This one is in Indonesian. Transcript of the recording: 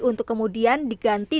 untuk kemudian digantikan